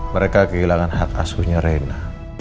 mereka kehilangan hak asuhnya reina